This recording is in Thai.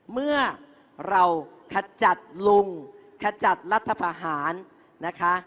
เมื่อเราขจัดลุงขจัดรัฐพาหารนะคะ